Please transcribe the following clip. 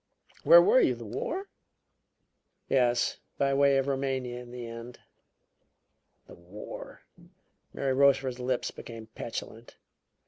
"Where were you the War?" "Yes by way of Roumania in the end." "The War!" Mary Rochefort's lips became petulant.